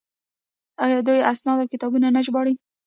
آیا دوی اسناد او کتابونه نه ژباړي؟